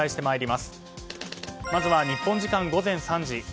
まずは日本時間午前３時。